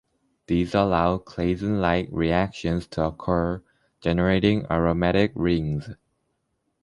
These allow Claisen-like reactions to occur, generating aromatic rings.